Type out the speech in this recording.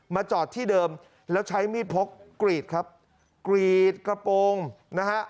จอดที่เดิมแล้วใช้มีดพกกรีดครับกรีดกระโปรงนะฮะ